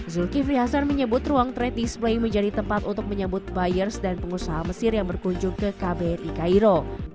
zulkifli hasan menyebut ruang trade display menjadi tempat untuk menyambut buyers dan pengusaha mesir yang berkunjung ke kbri cairo